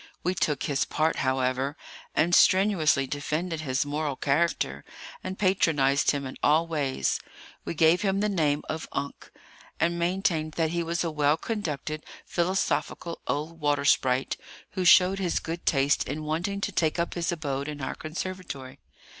We took his part, however, and strenuously defended his moral character, and patronized him in all ways. We gave him the name of Unke, and maintained that he was a well conducted, philosophical old water sprite, who showed his good taste in wanting to take up his abode in our conservatory.